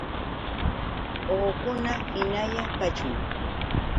¡Uqukuna hinalla kachun!